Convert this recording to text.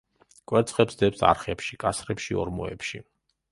კვერცხებს დებს არხებში, კასრებში, ორმოებში.